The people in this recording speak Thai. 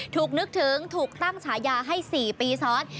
นึกถึงถูกตั้งฉายาให้๔ปีซ้อน